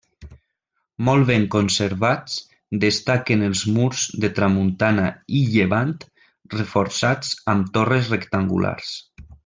Molt ben conservats, destaquen els murs de tramuntana i llevant, reforçats amb torres rectangulars.